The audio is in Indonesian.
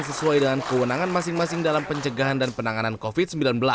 sesuai dengan kewenangan masing masing dalam pencegahan dan penanganan covid sembilan belas